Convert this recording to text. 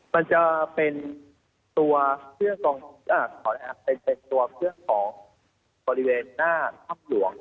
มันจะเป็นตัวเพื่อนของกริเวณหน้าทับหลวง